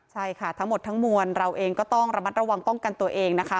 ใช่ค่ะทั้งหมดทั้งมวลเราเองก็ต้องระมัดระวังป้องกันตัวเองนะคะ